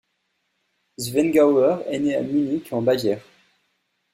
Zwengauer est né à Munich, en Bavière.